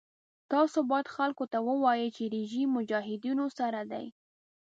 تاسو باید خلکو ته ووایئ چې رژیم مجاهدینو سره دی.